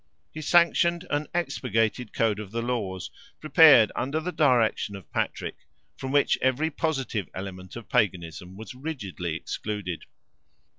He sanctioned an expurgated code of the laws, prepared under the direction of Patrick, from which every positive element of Paganism was rigidly excluded.